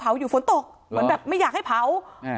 เผาอยู่ฝนตกมันแบบไม่อยากให้เผา